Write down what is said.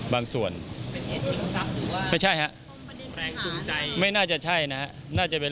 บางส่วนไม่ใช่ฮะไม่น่าจะใช่นะฮะน่าจะเป็น